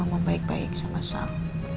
ngomong baik baik sama sal